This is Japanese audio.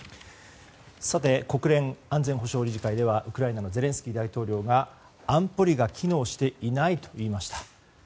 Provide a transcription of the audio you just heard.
国連安全保障理事会ではウクライナのゼレンスキー大統領が安保理が機能していないと言いました。